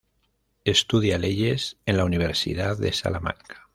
Estudia leyes en la Universidad de Salamanca.